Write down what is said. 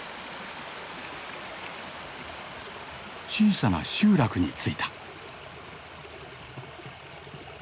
小さな集落に着いた。